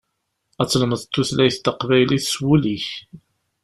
Ad tlemdeḍ tutlyat taqbaylit s wul-ik.